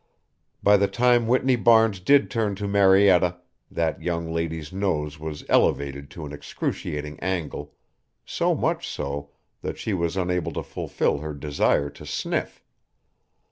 By the time Whitney Barnes did turn to Marietta that young lady's nose was elevated to an excruciating angle so much so that she was unable to fulfill her desire to sniff.